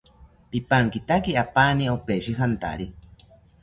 Pipankitaki apaani opeshi jantari